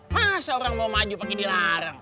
masa orang mau maju pakai dilarang